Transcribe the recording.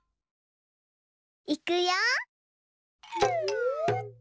いくよ！